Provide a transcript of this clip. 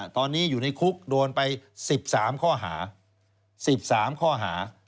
ตอนนี้อยู่ในคุกโดนไป๑๓ข้อหา